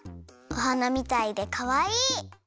おはなみたいでかわいい！